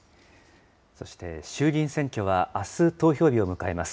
そして衆議院選挙は、あす投票日を迎えます。